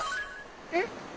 えっ？